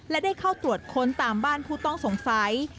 และได้เข้าตรวจค้นตามบ้านผู้ต้องสงสัย